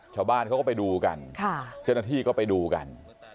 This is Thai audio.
ชาวบ้านเขาก็ไปดูกันเจ้าหน้าที่ก็ไปดูกัน